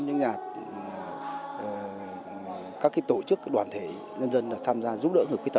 những nhà các tổ chức đoàn thể nhân dân tham gia giúp đỡ người khuyết tật